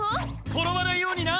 転ばないようにな！